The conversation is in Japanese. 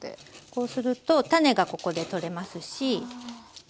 こうすると種がここで取れますし。